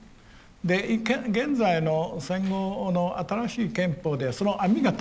で現在の戦後の新しい憲法でその網が取れた。